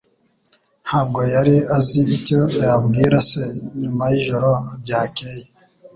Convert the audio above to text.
Ntabwo yari azi icyo yabwira se nyuma yijoro ryakeye.